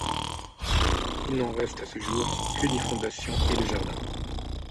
Il n'en reste à ce jour que les fondations et le jardin.